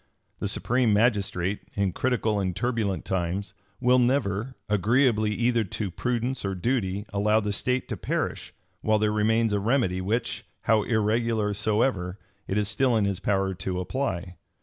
The supreme magistrate, in critical and turbulent times, will never, agreeably either to prudence or duty, allow the state to perish, while there remains a remedy which, how irregular soever, it is still in his power to apply.